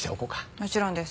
もちろんです。